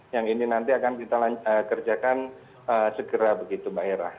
yang ini nanti akan kita kerjakan segera begitu mbak hera